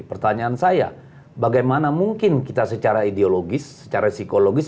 pertanyaan saya bagaimana mungkin kita secara ideologis secara psikologis